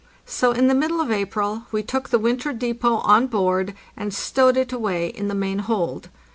So in the middle of April we took the winter depot on board and stowed it away in the main hold.